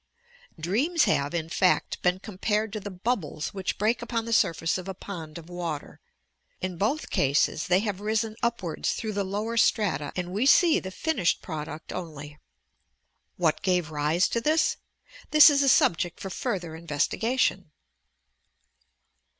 Dreams have, in fact, been compared to the bubbles which break upon the surface of a pond of water. In both eases they have risen upwards through the lower strata and we see the finished product only. What gave rise to thisT This is a subject for further investigation.